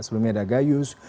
sebelumnya ada gayus